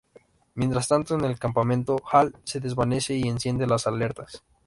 Mientras tanto en el campamento, Hal se desvanece y enciende las alertas.